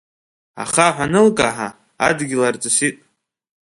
Ахаҳә анылкаҳа, адгьыл арҵысит.